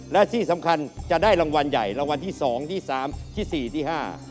และที่สำคัญจะได้รางวัลใหญ่รางวัลที่๒ที่๓ที่๔ที่๕